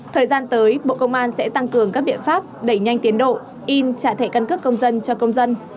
thời gian tới bộ công an sẽ tăng cường các biện pháp đẩy nhanh tiến độ in trả thẻ căn cước công dân cho công dân